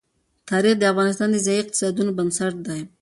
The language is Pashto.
تاریخ د افغانستان د ځایي اقتصادونو بنسټ دی.